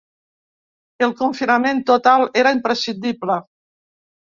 El confinament total era imprescindible.